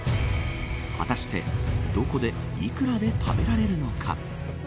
果たしてどこで幾らで食べられるのか。